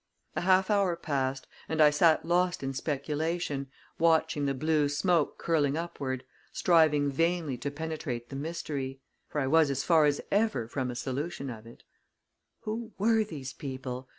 A half hour passed, and I sat lost in speculation, watching the blue smoke curling upward, striving vainly to penetrate the mystery. For I was as far as ever from a solution of it. Who were these people?